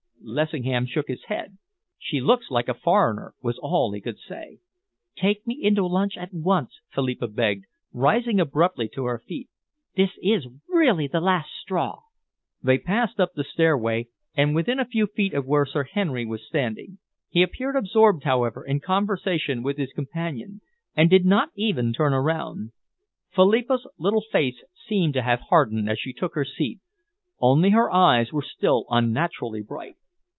Lessingham shook his head. "She looks like a foreigner," was all he could say. "Take me in to lunch at once," Philippa begged, rising abruptly to her feet. "This is really the last straw." They passed up the stairway and within a few feet of where Sir Henry was standing. He appeared absorbed, however, in conversation with his companion, and did not even turn around. Philippa's little face seemed to have hardened as she took her seat. Only her eyes were still unnaturally bright.